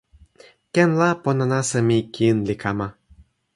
ken la pona nasa mi kin li kama.